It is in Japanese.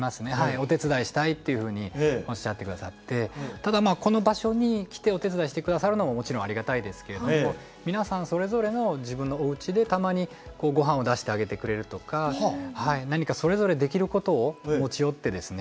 お手伝いしたいっていうふうにおっしゃって下さってただまあこの場所に来てお手伝いして下さるのももちろんありがたいですけれども皆さんそれぞれの自分のおうちでたまにご飯を出してあげてくれるとか何かそれぞれできることを持ち寄ってですね